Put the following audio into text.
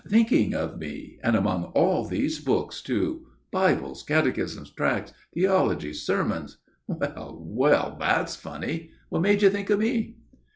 "Thinking of me, and among all these books too Bibles, catechisms, tracts, theologies, sermons. Well, well, that is funny. What made you think of me?"